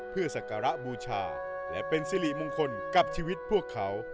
เพื่อสักการะบูชาและเป็นสิริมงคลกับชีวิตพวกเขา